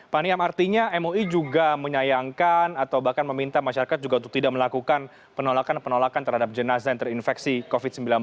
pak niam artinya mui juga menyayangkan atau bahkan meminta masyarakat juga untuk tidak melakukan penolakan penolakan terhadap jenazah yang terinfeksi covid sembilan belas